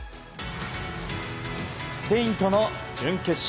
スペインとの準決勝。